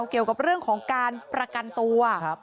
เกี่ยวกับเรื่องของการประกันตัว